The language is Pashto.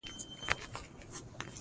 اوس استادانو استوګنه په کې کوله.